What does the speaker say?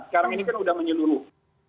sekarang ini kan sudah menyeluruh